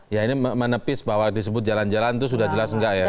ya ini menepis bahwa disebut jalan jalan itu sudah jelas enggak ya